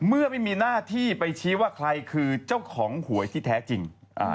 เมื่อไม่มีหน้าที่ไปชี้ว่าใครคือเจ้าของหวยที่แท้จริง